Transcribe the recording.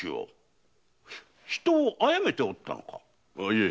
いえ。